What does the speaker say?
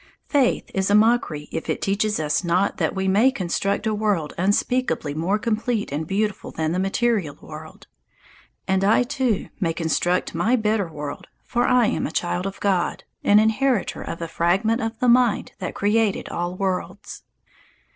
Faith is a mockery if it teaches us not that we may construct a world unspeakably more complete and beautiful than the material world. And I, too, may construct my better world, for I am a child of God, an inheritor of a fragment of the Mind that created all worlds.